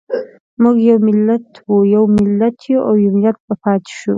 موږ یو ملت وو، یو ملت یو او يو ملت به پاتې شو.